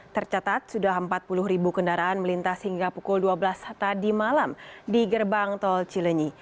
tercatat sudah empat puluh ribu kendaraan melintas hingga pukul dua belas tadi malam di gerbang tol cilenyi